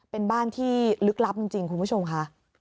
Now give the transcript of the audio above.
เป็นบ้านที่ลึกลับจริงคุณผู้ชมค่ะ